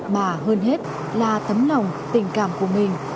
mà hơn hết là tấm lòng tình cảm của mình